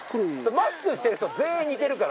マスクしてる人、全員似てるから。